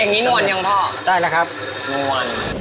อย่างนี้นวลยังพ่อได้แล้วครับนวล